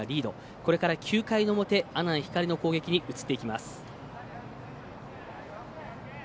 これから９回の表阿南光の攻撃に移っていきます。